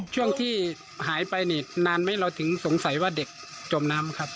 ช่วงที่หายไปนี่นานไหมเราถึงสงสัยว่าเด็กจมน้ำครับ